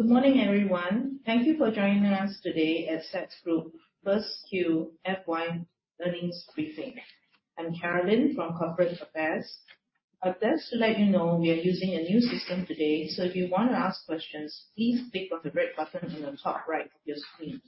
Good morning, everyone. Thank you for joining us today at SATS Group's first quarter earnings briefing. I'm Carolyn from Corporate Affairs. I'd just like to let you know, we are using a new system today, so if you want to ask questions, please click on the red button on the top right of your screen.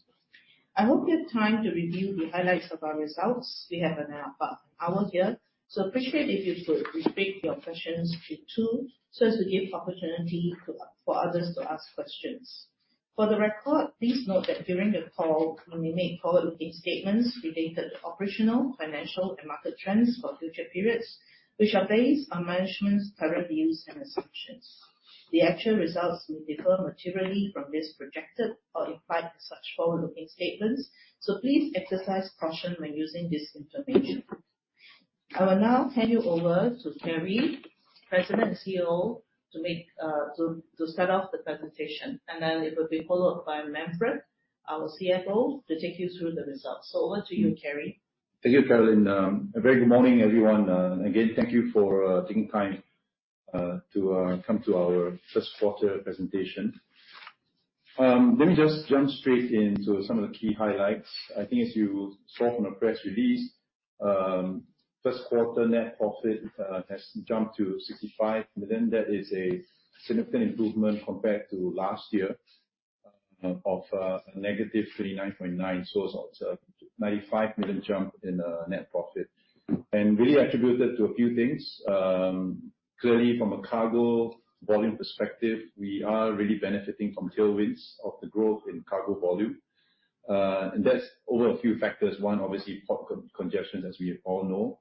I hope you have time to review the highlights of our results. We have about an hour here, so I appreciate if you could restrict your questions to two, so as to give opportunity to others to ask questions. For the record, please note that during the call, when we make forward-looking statements related to operational, financial, and market trends for future periods, which are based on management's current views and assumptions, the actual results may differ materially from those projected or implied in such forward-looking statements, so please exercise caution when using this information. I will now hand you over to Kerry, President and CEO, to start off the presentation, and then it will be followed by Manfred, our CFO, to take you through the results. So over to you, Kerry. Thank you, Carolyn. A very good morning, everyone. Again, thank you for taking time to come to our first quarter presentation. Let me just jump straight into some of the key highlights. I think as you saw from the press release, first quarter net profit has jumped to 65 million. That is a significant improvement compared to last year of negative 39.9 million. So it's a 95 million jump in net profit. And really attributed to a few things. Clearly, from a cargo volume perspective, we are really benefiting from tailwinds of the growth in cargo volume. And that's over a few factors. One, obviously, port congestion, as we all know.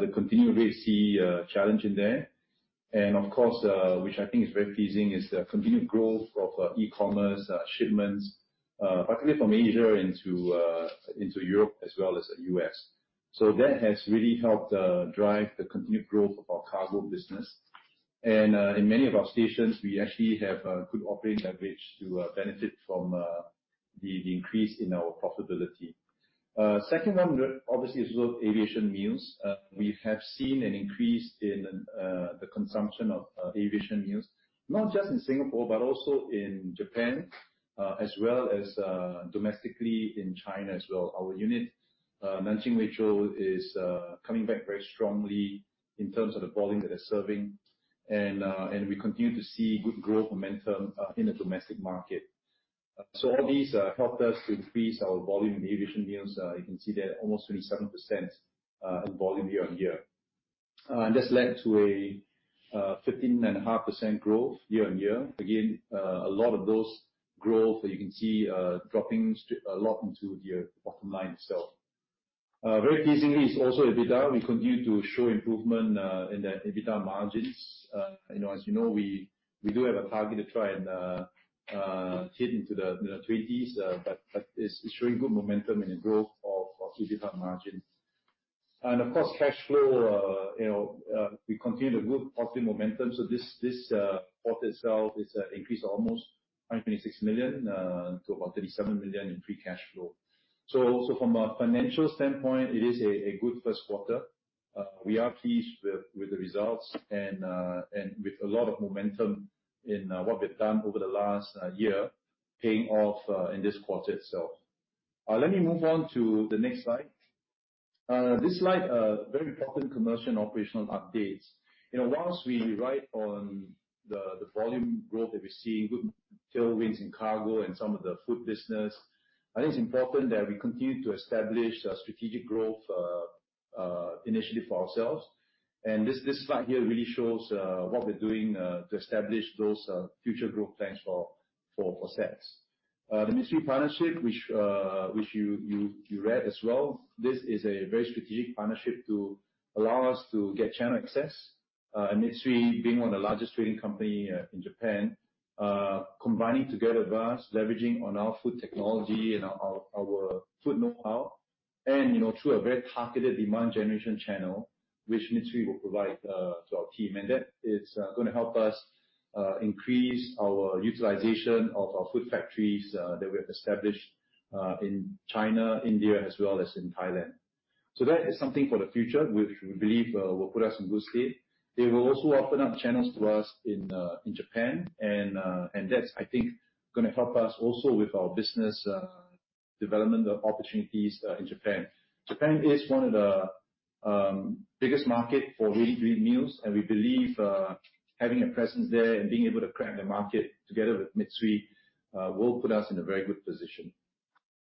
The continued Red Sea challenge in there. And of course, which I think is very pleasing, is the continued growth of e-commerce shipments, particularly from Asia into Europe, as well as the U.S.. So that has really helped drive the continued growth of our cargo business. And in many of our stations, we actually have good operating leverage to benefit from the increase in our profitability. Second one, obviously, is with aviation meals. We have seen an increase in the consumption of aviation meals, not just in Singapore, but also in Japan, as well as domestically in China as well. Our unit, Nanjing Weizhou, is coming back very strongly in terms of the volume that they're serving, and we continue to see good growth momentum in the domestic market. All these helped us to increase our volume in aviation meals. You can see that almost 27% of volume year on year. And this led to a 15.5% growth year on year. Again, a lot of those growth, you can see, dropping a lot into the bottom line itself. Very pleasingly is also EBITDA. We continue to show improvement in the EBITDA margins. You know, as you know, we do have a target to try and get into the twenties, but it's showing good momentum in the growth of EBITDA margins. And of course, cash flow, you know, we continue the good positive momentum. So this quarter itself is increased to almost 926 million to about 37 million in free cash flow. So also from a financial standpoint, it is a good first quarter. We are pleased with the results and with a lot of momentum in what we've done over the last year, paying off in this quarter itself. Let me move on to the next slide. This slide, very important commercial and operational updates. You know, while we ride on the volume growth that we're seeing, good tailwinds in cargo and some of the food business, I think it's important that we continue to establish a strategic growth initiative for ourselves. And this slide here really shows what we're doing to establish those future growth plans for SATS. The Mitsui partnership, which you read as well, this is a very strategic partnership to allow us to get channel access. And Mitsui being one of the largest trading company in Japan, combining together with us, leveraging on our food technology and our food know-how, and, you know, through a very targeted demand generation channel, which Mitsui will provide to our team. And that is gonna help us increase our utilization of our food factories that we have established in China, India, as well as in Thailand. So that is something for the future, which we believe will put us in good stead. It will also open up channels to us in Japan, and that's, I think, gonna help us also with our business development opportunities in Japan. Japan is one of the biggest market for ready-to-eat meals, and we believe having a presence there and being able to crack the market together with Mitsui will put us in a very good position.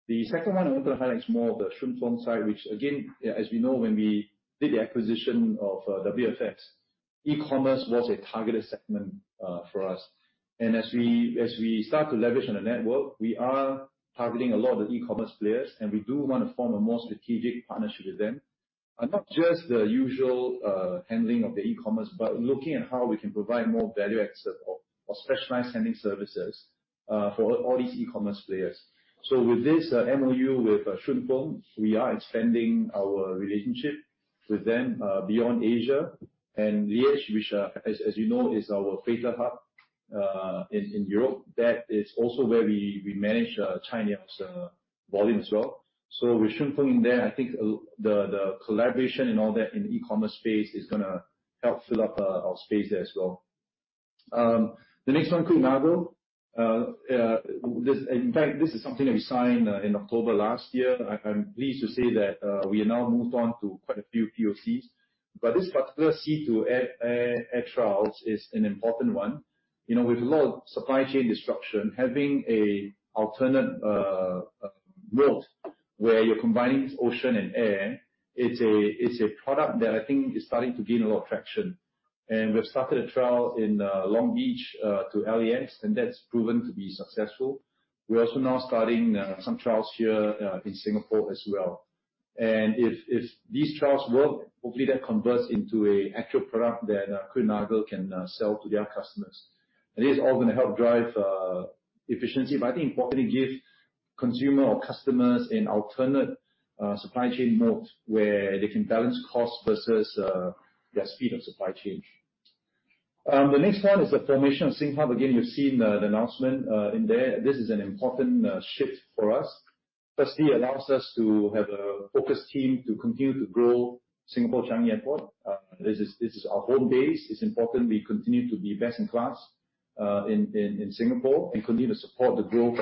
The second one, I'm gonna highlight more of the Shunfeng side, which again, as we know, when we did the acquisition of WFS, e-commerce was a targeted segment for us. And as we start to leverage on the network, we are targeting a lot of the e-commerce players, and we do want to form a more strategic partnership with them. And not just the usual handling of the e-commerce, but looking at how we can provide more value add or specialized handling services for all these e-commerce players. So with this MOU with Shunfeng, we are expanding our relationship with them beyond Asia and Liège, which, as you know, is our freighter hub in Europe. That is also where we manage China's volume as well. So with Shunfeng in there, I think the collaboration and all that in the e-commerce space is gonna help fill up our space there as well. The next one, Kuehne+Nagel. This, in fact, this is something that we signed in October last year. I'm pleased to say that, we have now moved on to quite a few POCs, but this particular Sea-to-Air trials is an important one. You know, with a lot of supply chain disruption, having an alternate mode where you're combining ocean and air, it's a product that I think is starting to gain a lot of traction. And we've started a trial in Long Beach to LAX, and that's proven to be successful. We're also now starting some trials here in Singapore as well. And if these trials work, hopefully that converts into an actual product that Kuehne+Nagel can sell to their customers. And this is all gonna help drive efficiency, but I think importantly, give consumer or customers an alternate supply chain mode, where they can balance cost versus their speed of supply chain. The next one is the formation of Singapore Hub. Again, you've seen the announcement in there. This is an important shift for us. Firstly, it allows us to have a focused team to continue to grow Singapore Changi Airport. This is our home base. It's important we continue to be best-in-class in Singapore and continue to support the growth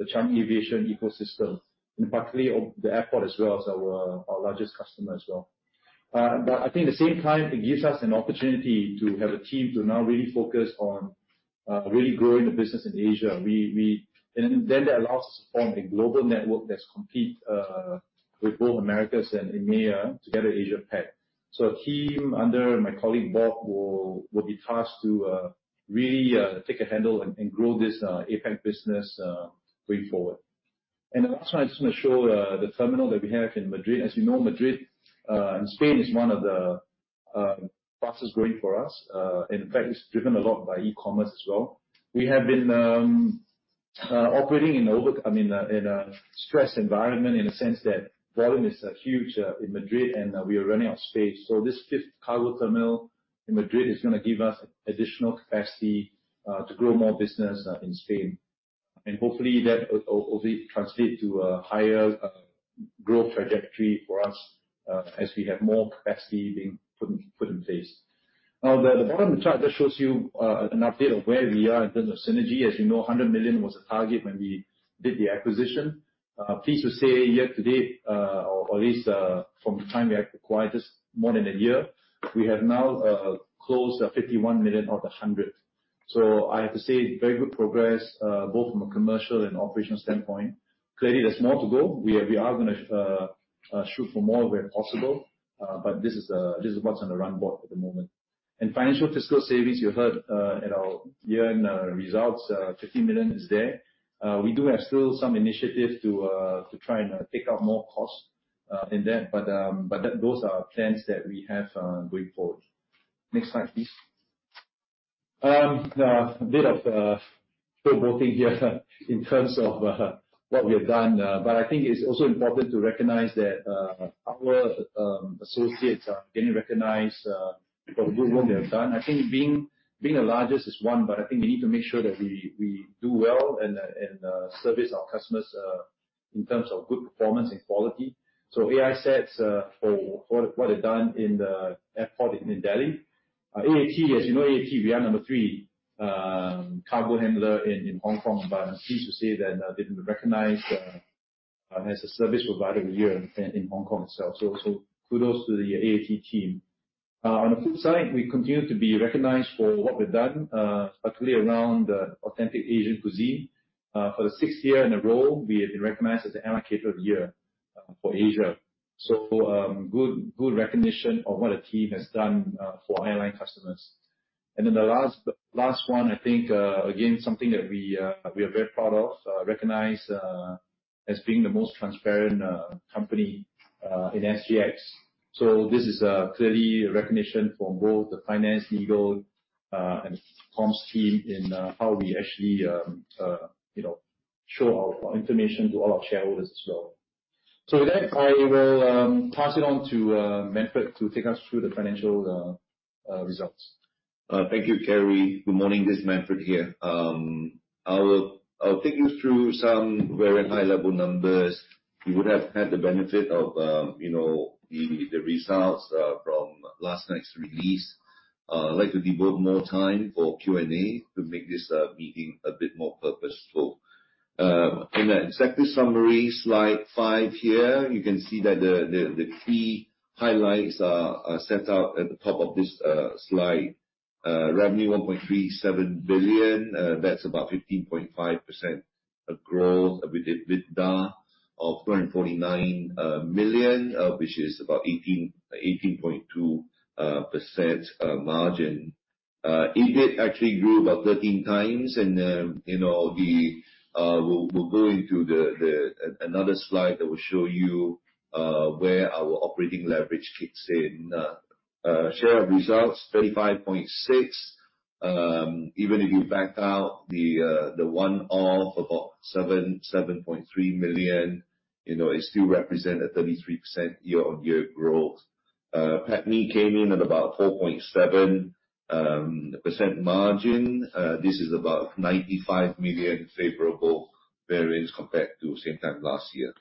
of the Changi aviation ecosystem and particularly of the airport as well as our largest customer as well. But I think at the same time, it gives us an opportunity to have a team to now really focus on really growing the business in Asia, and then that allows us to form a global network that's competitive with both Americas and EMEA together, Asia Pac. So a team under my colleague, Bob, will be tasked to really take a handle and grow this APAC business going forward. And the last one, I just wanna show the terminal that we have in Madrid. As you know, Madrid and Spain is one of the fastest growing for us. And in fact, it's driven a lot by e-commerce as well. We have been operating in over, I mean, in a stressed environment, in a sense that volume is huge in Madrid, and we are running out of space. So this fifth cargo terminal in Madrid is gonna give us additional capacity to grow more business in Spain. Hopefully that will translate to a higher growth trajectory for us as we have more capacity being put in place. Now, the bottom of the chart just shows you an update of where we are in terms of synergy. As you know, 100 million was a target when we did the acquisition. Pleased to say, year to date, or at least from the time we acquired this, more than a year, we have now closed 51 million out of 100 million. So I have to say, very good progress both from a commercial and operational standpoint. Clearly, there's more to go. We are gonna shoot for more where possible, but this is what's on the run board at the moment. In financial fiscal savings, you heard, at our year-end results, 50 million is there. We do have still some initiatives to try and take out more costs, in that, but those are plans that we have, going forward. Next slide, please. A bit of showboating here, in terms of, what we have done, but I think it's also important to recognize that, our associates are getting recognized, for the good work they have done. I think being the largest is one, but I think we need to make sure that we do well and service our customers, in terms of good performance and quality. So AISATS, for what they've done in the airport in Delhi. AAT, as you know, AAT, we are number three cargo handler in Hong Kong, but I'm pleased to say that they've been recognized as a service provider of the year in Hong Kong itself. So also, kudos to the AAT team. On the food side, we continue to be recognized for what we've done, particularly around the authentic Asian cuisine. For the sixth year in a row, we have been recognized as the Airline Caterer of the Year for Asia. So, good recognition of what our team has done for our airline customers. Then the last one, I think, again, something that we are very proud of, recognized as being the most transparent company in SGX. So this is clearly recognition from both the finance, legal, and comms team in how we actually, you know, show our information to all our shareholders as well. So with that, I will pass it on to Manfred to take us through the financial results. Thank you, Kerry. Good morning, this is Manfred here. I'll take you through some very high-level numbers. You would have had the benefit of, you know, the results from last night's release. I'd like to devote more time for Q&A to make this meeting a bit more purposeful. In the executive summary, slide five here, you can see that the key highlights are set out at the top of this slide. Revenue of 1.37 billion, that's about 15.5% growth, with the EBITDA of 249 million, which is about 18.2% margin. EBIT actually grew about 13 times, and you know, we'll go into another slide that will show you where our operating leverage kicks in. Share of results, 35.6. Even if you back out the one-off, about 7.3 million, you know, it still represent a 33% year-on-year growth. PATMI came in at about 4.7% margin. This is about 95 million favorable variance compared to same time last year.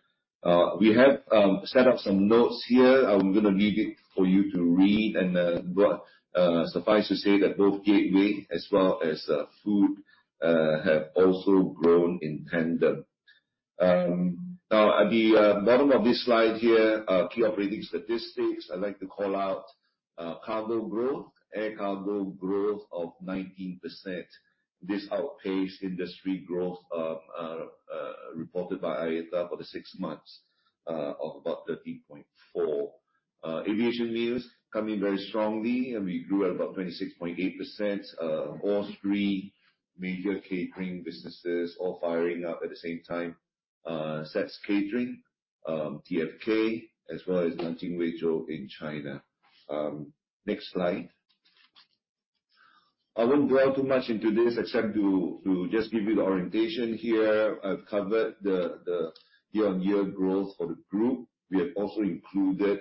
We have set up some notes here. I'm gonna leave it for you to read, and but suffice to say that both gateway as well as food have also grown in tandem. Now, at the bottom of this slide here, key operating statistics, I'd like to call out cargo growth. Air cargo growth of 19%. This outpaced industry growth of reported by IATA for the six months of about 13.4%. Aviation food coming very strongly, and we grew at about 26.8%. All three major catering businesses all firing up at the same time. SATS Catering, TFK, as well as Nanjing Weizhou in China. Next slide. I won't dwell too much into this, except to just give you the orientation here. I've covered the year-on-year growth for the group. We have also included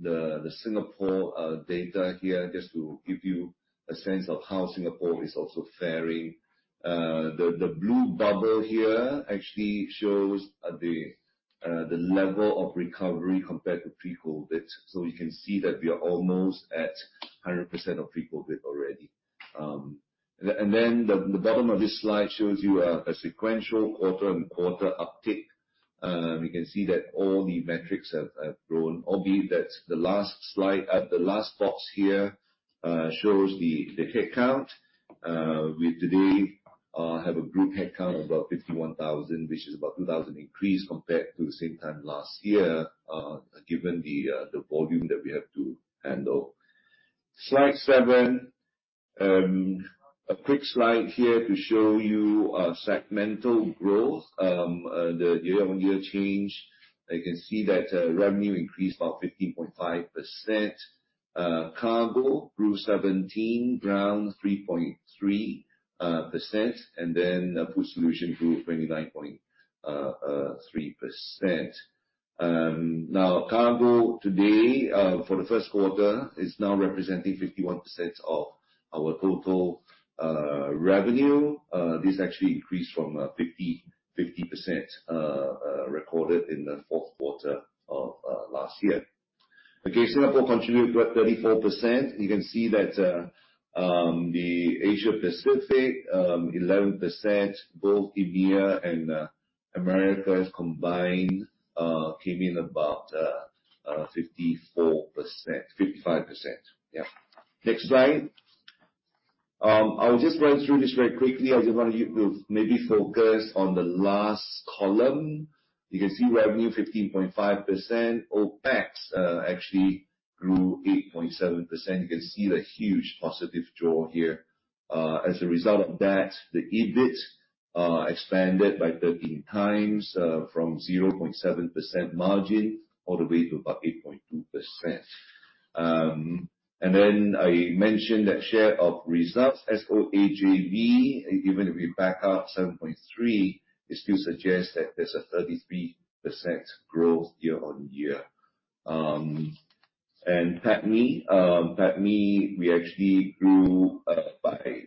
the Singapore data here, just to give you a sense of how Singapore is also faring. The blue bubble here actually shows the level of recovery compared to pre-COVID. So you can see that we are almost at 100% of pre-COVID already. Then, the bottom of this slide shows you a sequential quarter and quarter uptick. We can see that all the metrics have grown, albeit that the last box here shows the headcount. We today have a group headcount of about 51,000, which is about 2,000 increase compared to the same time last year, given the volume that we have to handle. Slide seven. A quick slide here to show you segmental growth. The year-on-year change, you can see that revenue increased about 15.5%. Cargo grew 17%, ground 3.3%, and then food solution grew 29.3%. Now, cargo today for the first quarter is now representing 51% of our total revenue. This actually increased from 50% recorded in the fourth quarter of last year. Okay, Singapore contributed about 34%. You can see that the Asia Pacific 11%. Both India and Americas combined came in about 54%, 55%. Yeah. Next slide. I'll just run through this very quickly. I just want you to maybe focus on the last column. You can see revenue 15.5%. OPEX actually grew 8.7%. You can see the huge positive draw here. As a result of that, the EBIT expanded by 13 times from 0.7% margin all the way to about 8.2%. And then, I mentioned that share of results, SOAJV, even if we back up 7.3, it still suggests that there's a 33% growth year on year. And PATMI, we actually grew by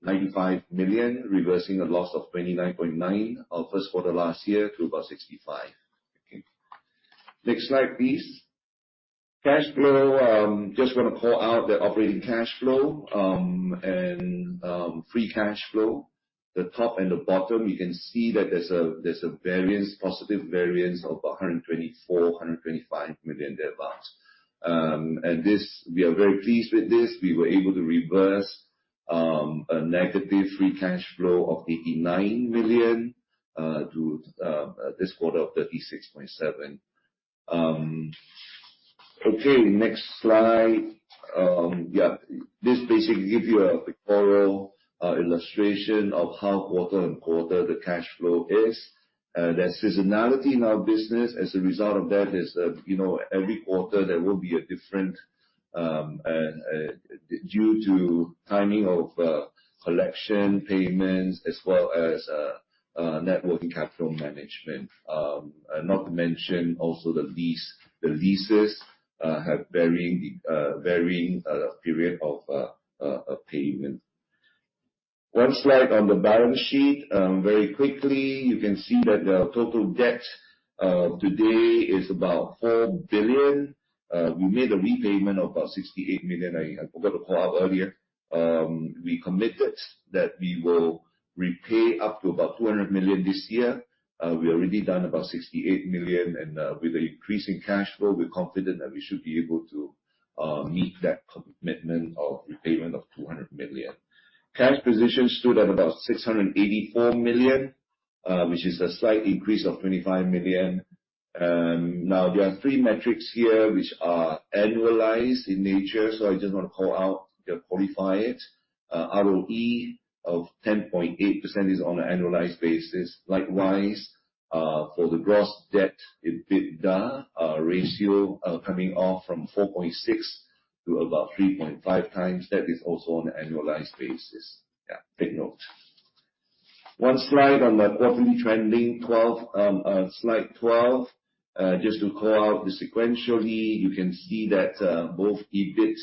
95 million, reversing a loss of 29.9 million of first quarter last year to about 65 million. Okay. Next slide, please. Cash flow. Just wanna call out the operating cash flow and free cash flow. The top and the bottom, you can see that there's a variance, positive variance of 124-125 million, thereabout. And this, we are very pleased with this. We were able to reverse a negative free cash flow of 89 million to this quarter of 36.7 million. Okay, next slide. Yeah, this basically give you a pictorial illustration of how quarter and quarter the cash flow is. There's seasonality in our business. As a result of that is that, you know, every quarter there will be a different due to timing of collection, payments, as well as networking capital management. Not to mention also the lease. The leases have varying varying period of of payment. One slide on the balance sheet, very quickly. You can see that the total debt today is about 4 billion. We made a repayment of about 68 million. I forgot to call out earlier. We committed that we will repay up to about 200 million this year. We have already done about 68 million, and with the increase in cash flow, we're confident that we should be able to meet that commitment of repayment of 200 million. Cash position stood at about 684 million, which is a slight increase of 25 million. Now, there are three metrics here which are annualized in nature, so I just want to call out to qualify it. ROE of 10.8% is on an annualized basis. Likewise, for the gross debt EBITDA ratio, coming off from 4.6 to about 3.5 times. That is also on an annualized basis. Yeah, take note. One slide on the quarterly trending, twelve, slide twelve. Just to call out sequentially, you can see that both EBIT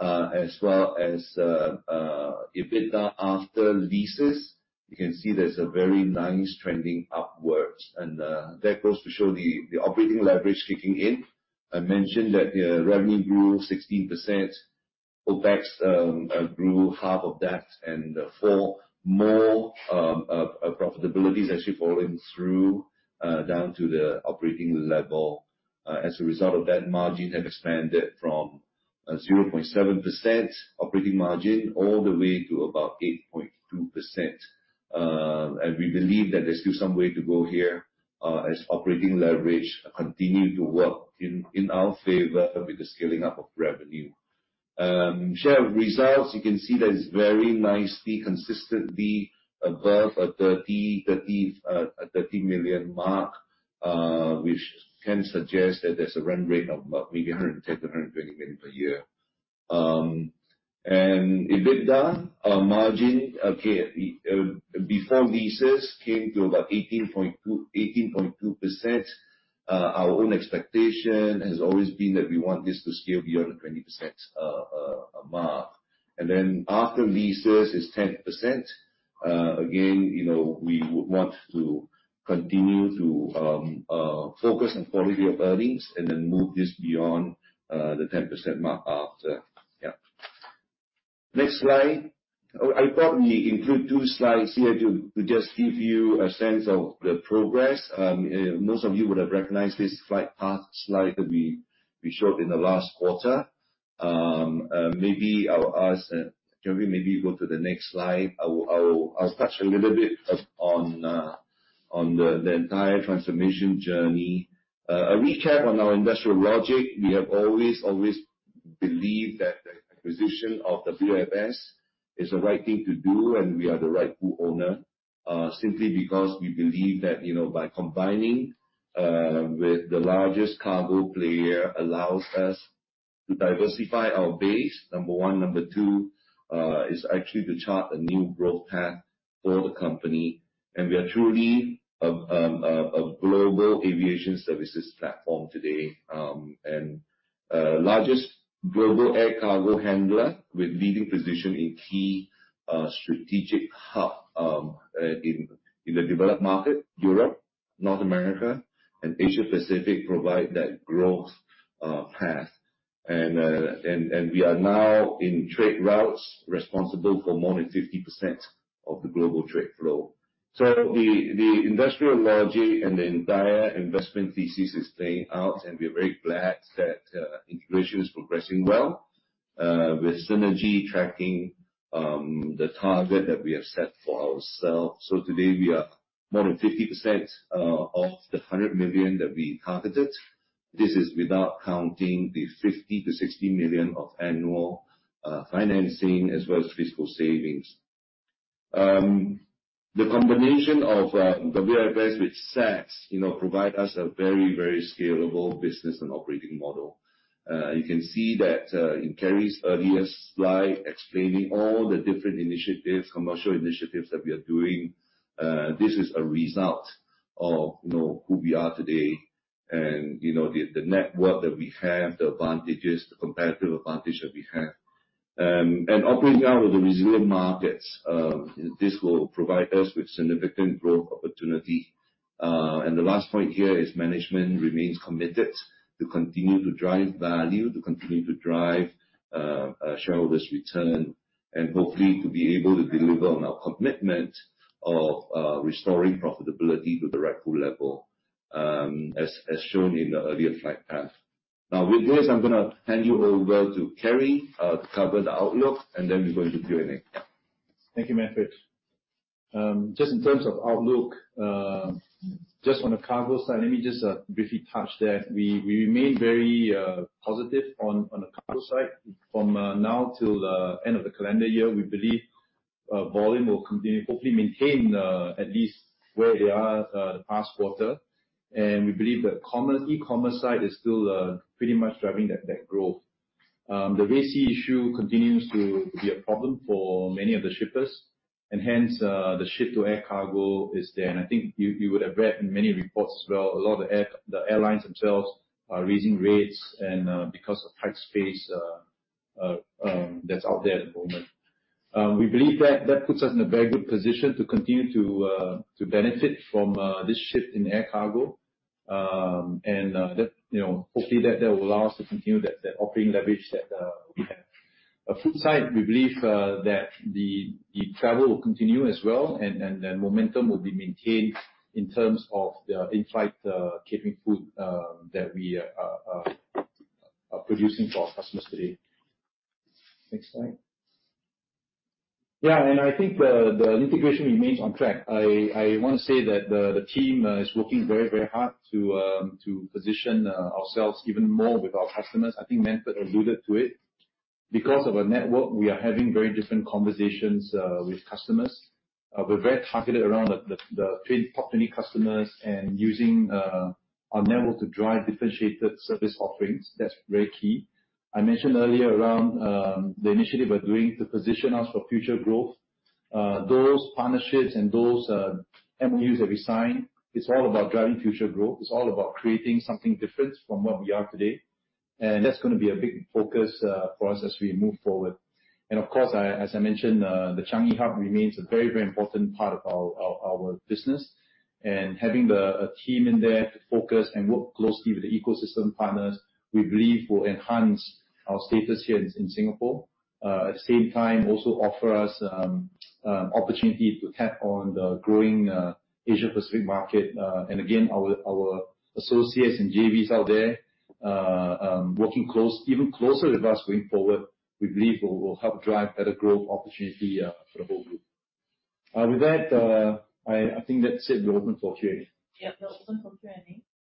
as well as EBITDA after leases. You can see there's a very nice trending upwards, and that goes to show the operating leverage kicking in. I mentioned that the revenue grew 16%. OPEX grew half of that, and therefore, more profitability is actually falling through down to the operating level. As a result of that margin have expanded from 0.7% operating margin all the way to about 8.2%. And we believe that there's still some way to go here, as operating leverage continue to work in our favor with the scaling up of revenue. Share results, you can see that it's very nicely, consistently above a 30 million mark, which can suggest that there's a run rate of about maybe 110million-120 million per year. And EBITDA margin, okay, before leases came to about 18.2%. Our own expectation has always been that we want this to scale beyond the 20% mark. And then, after leases is 10%, again, you know, we would want to continue to focus on quality of earnings and then move this beyond the 10% mark after. Yeah. Next slide. I probably include two slides here to just give you a sense of the progress. Most of you would have recognized this flight path slide that we showed in the last quarter. Maybe I'll ask, can we maybe go to the next slide? I'll touch a little bit on the entire transformation journey. A recap on our industrial logic. We have always believed that the acquisition of the WFS is the right thing to do, and we are the right full owner. Simply because we believe that, you know, by combining with the largest cargo player, allows us to diversify our base, number one. Number two, is actually to chart a new growth path for the company, and we are truly a global aviation services platform today. Largest global air cargo handler with leading position in key strategic hub in the developed market, Europe, North America and Asia Pacific, provide that growth path, and we are now in trade routes responsible for more than 50% of the global trade flow, so the industrial logic and the entire investment thesis is playing out, and we are very glad that integration is progressing well with synergy tracking the target that we have set for ourselves, so today we are more than 50% of the 100 million that we targeted. This is without counting the 50 million-60 million of annual financing as well as fiscal savings. The combination of WFS with SATS, you know, provide us a very, very scalable business and operating model. You can see that in Kerry's earlier slide, explaining all the different initiatives, commercial initiatives that we are doing, this is a result of, you know, who we are today. And, you know, the network that we have, the advantages, the competitive advantage that we have. And operating out of the resilient markets, this will provide us with significant growth opportunity. And the last point here is management remains committed to continue to drive value, to continue to drive, shareholders return, and hopefully to be able to deliver on our commitment of, restoring profitability to the right full level, as shown in the earlier flight path. Now, with this, I'm gonna hand you over to Kerry, to cover the outlook, and then we'll go into Q&A. Thank you, Manfred. Just in terms of outlook, just on the cargo side, let me just briefly touch that. We remain very positive on the cargo side. From now till the end of the calendar year, we believe volume will continue, hopefully maintain at least where they are, the past quarter. And we believe the e-commerce side is still pretty much driving that growth. The Red Sea issue continues to be a problem for many of the shippers, and hence the sea-to-air cargo is there. And I think you would have read in many reports as well, a lot of the airlines themselves are raising rates and because of tight space that's out there at the moment. We believe that puts us in a very good position to continue to benefit from this shift in air cargo. And that, you know, hopefully that will allow us to continue that operating leverage that we have. Food side, we believe that the travel will continue as well, and the momentum will be maintained in terms of the in-flight catering food that we are producing for our customers today. Next slide. Yeah, and I think the integration remains on track. I want to say that the team is working very, very hard to position ourselves even more with our customers. I think Manfred alluded to it. Because of our network, we are having very different conversations with customers. We're very targeted around the top 20 customers and using our network to drive differentiated service offerings. That's very key. I mentioned earlier around the initiative we're doing to position us for future growth. Those partnerships and those MOUs that we sign, it's all about driving future growth. It's all about creating something different from what we are today, and that's gonna be a big focus for us as we move forward. Of course, as I mentioned, the Changi hub remains a very, very important part of our business. Having a team in there to focus and work closely with the ecosystem partners, we believe will enhance our status here in Singapore. At the same time, also offer us opportunity to tap on the growing Asia Pacific market. And again, our associates and JVs out there, working even closer with us going forward, we believe will help drive better growth opportunity for the whole group. With that, I think that's it. We're open for Q&A. Yeah, we're open for Q&A.